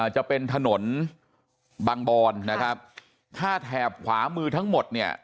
จะเป็นถนนบางบอนนะครับถ้าแถบขวามือทั้งหมดเนี่ย